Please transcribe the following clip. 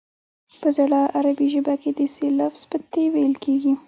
په زړه عربي ژبه کې د ث لفظ په ت ویل کیږي